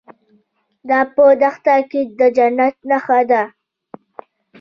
دا په دښته کې د جنت نښه ده.